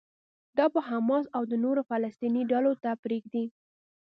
دا به حماس او نورو فلسطيني ډلو ته پرېږدي.